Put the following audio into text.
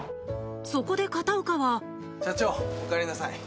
そこで片岡は社長おかえりなさい。